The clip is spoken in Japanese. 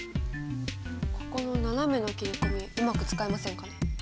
ここの斜めの切り込みうまく使えませんかね。